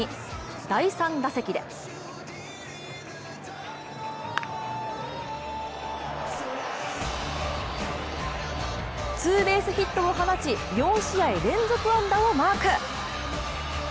第３打席でツーベースヒットを放ち４試合連続安打をマーク。